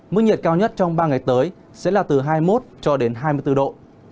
mức nhiệt cao nhất trong ba ngày tới sẽ là từ hai mươi một cho đến hai mươi bốn độ